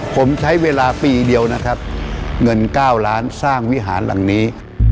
ผมใช้เวลาปีเดียวนะครับเงิน๙ล้านสร้างวิหารหลังนี้